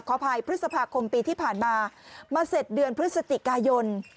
ขออภัยพฤษภาคมปีที่ผ่านมามาเสร็จเดือนพฤศจิกายน